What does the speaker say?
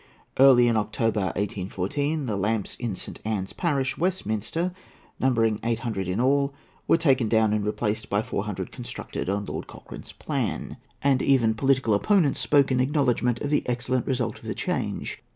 Early in October, 1814, the lamps in St. Ann's parish, Westminster, numbering eight hundred in all, were taken down and replaced by four hundred constructed on Lord Cochrane's plan; and even political opponents spoke in acknowledgment of the excellent result of the change.